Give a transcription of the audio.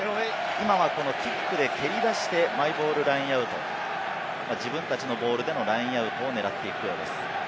今はこのキックで蹴り出してマイボールラインアウト、自分たちのボールでのラインアウトを狙っていくようです。